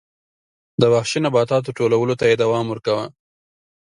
د وحشي نباتاتو ټولولو ته یې دوام ورکاوه